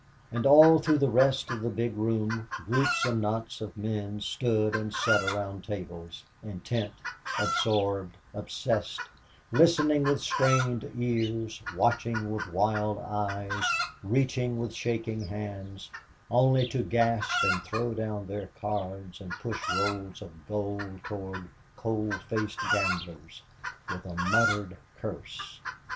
And all through the rest of the big room groups and knots of men stood and sat around the tables, intent, absorbed, obsessed, listening with strained ears, watching with wild eyes, reaching with shaking hands only to gasp and throw down their cards and push rolls of gold toward cold faced gamblers, with a muttered curse.